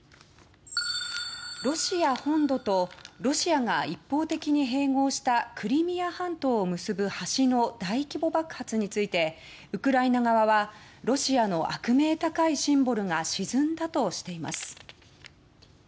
ロシア本土とロシアが一方的に併合したクリミア半島を結ぶ橋の大規模爆発についてウクライナ側はロシアの悪名高いシンボルが沈んだとしています。